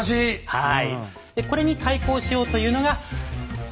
はい。